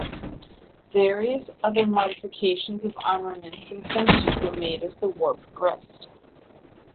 Various other modifications of armaments and sensors were made as the war progressed.